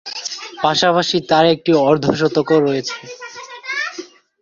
পাশাপাশি তার একটি অর্ধ-শতকও রয়েছে।